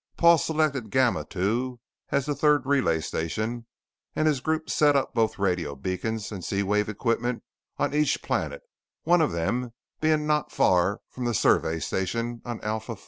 Paul selected Gamma II as the third relay station and his group set up both radio beacons and Z wave equipment on each planet, one of them being not far from the Survey Station on Alpha IV.